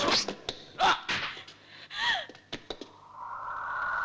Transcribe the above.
あっ！